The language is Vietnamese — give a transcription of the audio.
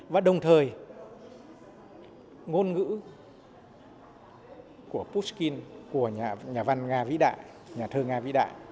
và đồng thời ngôn ngữ của pushkin của nhà văn nga vĩ đại nhà thơ nga vĩ đại